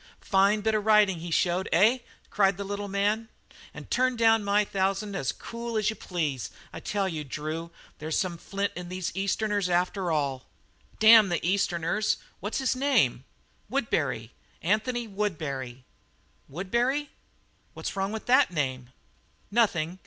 "Fine bit of riding he showed, eh?" cried the little man, "and turned down my thousand as cool as you please. I tell you, Drew, there's some flint in the Easterners after all!" "Damn the Easterners. What's his name?" "Woodbury. Anthony Woodbury." "Woodbury?" "What's wrong with that name?" "Nothing.